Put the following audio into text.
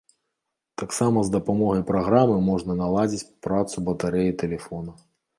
Таксама з дапамогай праграмы можна наладзіць працу батарэі тэлефона.